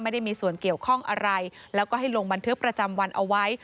ไม่ได้มีส่วนเกี่ยวข้องอะไรแล้วก็ให้ลงบันทึกประจำวันเอาไว้